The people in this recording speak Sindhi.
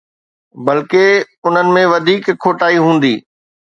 بلڪه، انهن ۾ وڌيڪ کوٽائي هوندي.